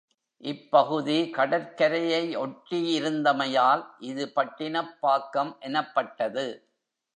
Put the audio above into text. இப்பகுதி கடற்கரையை ஒட்டி இருந்தமையால் இது பட்டினப்பாக்கம் எனப் பட்டது.